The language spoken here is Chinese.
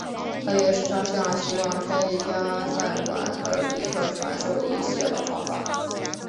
他爷爷时常向希望开一家饭馆的比特传授一些老方法。